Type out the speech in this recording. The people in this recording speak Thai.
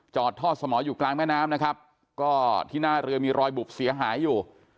ท่อสมออยู่กลางแม่น้ำนะครับก็ที่หน้าเรือมีรอยบุบเสียหายอยู่